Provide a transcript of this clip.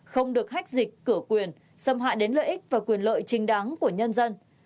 không được hách dịch cửa quyền xâm hại đến lợi ích và quyền lợi trinh đáng của nhân dân